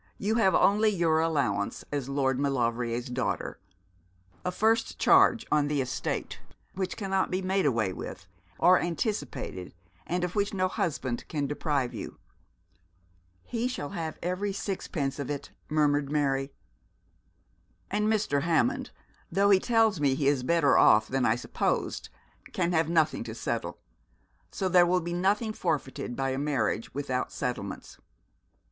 You have only your allowance as Lord Maulevrier's daughter a first charge on the estate, which cannot be made away with or anticipated, and of which no husband can deprive you.' 'He shall have every sixpence of it,' murmured Mary. 'And Mr. Hammond, though he tells me he is better off than I supposed, can have nothing to settle. So there will be nothing forfeited by a marriage without settlements.'